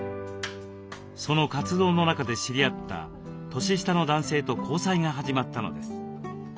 その活動の中で知り合った年下の男性と交際が始まったのです。